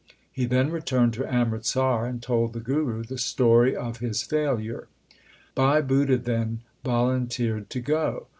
He then returned to Amritsar, and told the Guru the story of his failure. Bhai Budha then volunteered to go.